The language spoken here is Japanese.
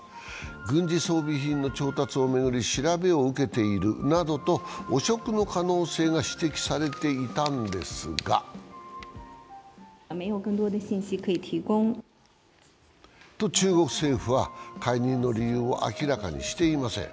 軍事装備品の調達を巡り調べを受けているなどと汚職の可能性が指摘されていたんですがと、中国政府は解任の理由を明らかにしていません。